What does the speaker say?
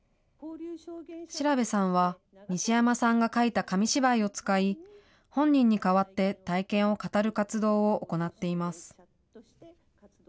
調さんは西山さんが描いた紙芝居を使い、本人に代わって体験を語る活動を行っています。